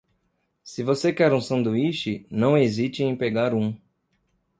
Se você quer um sanduíche, não hesite em pegar um.